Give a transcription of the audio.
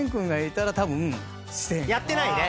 やってないね。